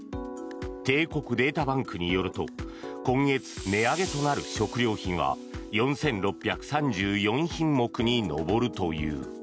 帝国データバンクによると今月、値上げとなる食料品は４６３４品目に上るという。